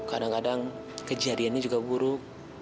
kadang kadang kejadiannya juga buruk